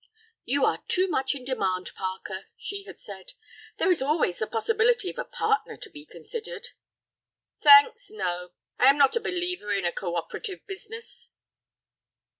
"You are too much in demand, Parker," she had said. "There is always the possibility of a partner to be considered." "Thanks, no; I am not a believer in a co operative business."